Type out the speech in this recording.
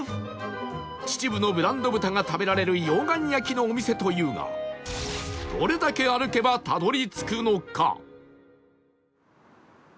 秩父のブランド豚が食べられる溶岩焼きのお店というがどれだけ歩けばたどり着くのか？